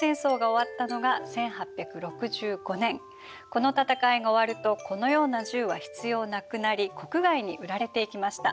この戦いが終わるとこのような銃は必要なくなり国外に売られていきました。